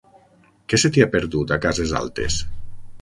Què se t'hi ha perdut, a Cases Altes?